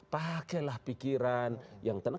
pakailah pikiran yang tenang